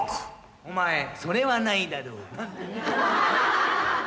お前それはないだろうなんてね。